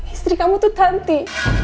istri kamu tuh tanti